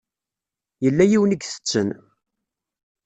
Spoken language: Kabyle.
Yella yiwen i itetten.